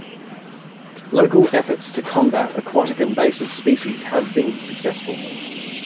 Local efforts to combat aquatic invasive species have been successful.